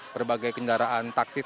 berbagai kendaraan taktis